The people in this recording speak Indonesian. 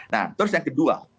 nah terus yang kedua